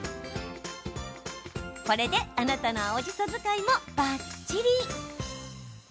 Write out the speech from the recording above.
これで、あなたの青じそ使いもばっちり！